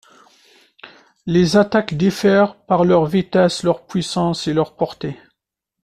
Les attaques diffèrent par leur vitesse, leur puissance et leur portée.